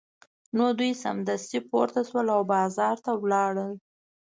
نو دوی سمدستي پورته شول او بازار ته لاړل